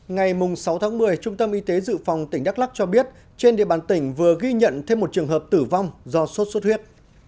ngày sáu tháng một mươi trung tâm y tế dự phòng tỉnh đắk lắc cho biết trên địa bàn tỉnh vừa ghi nhận thêm một trường hợp tử vong do sốt xuất huyết